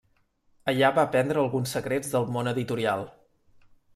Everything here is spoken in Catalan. Allà va aprendre alguns secrets del món editorial.